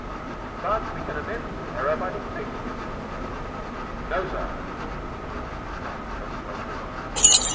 "But we can amend the error by dictating it." "No, sir." The answer came pat from a dozen throats at once.